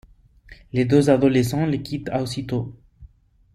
Les deux adolescents le quittent aussitôt.